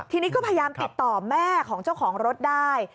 ทีนี้ก็พยายามติดต่อแม่ของเจ้าของรถได้